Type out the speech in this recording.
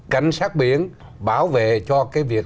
cảnh sát biển bảo vệ cho cái việc